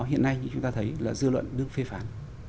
hiện nay như chúng ta thấy là dư luận đức phê phán